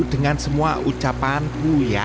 dengan semua ucapan ku ya